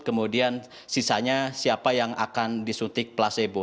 kemudian sisanya siapa yang akan disuntik placebo